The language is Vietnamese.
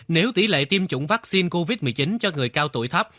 nếu tỷ lệ tiêm chủng vaccine covid một mươi chín cho người cao tuổi thấp